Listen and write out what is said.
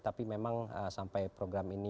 tapi memang sampai program ini